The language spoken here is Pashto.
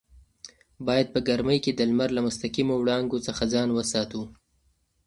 باید په ګرمۍ کې د لمر له مستقیمو وړانګو څخه ځان وساتو.